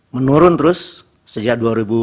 menurun terus sejak dua ribu dua